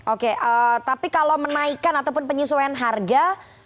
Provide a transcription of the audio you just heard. oke tapi kalau menaikkan ataupun penyesuaian harga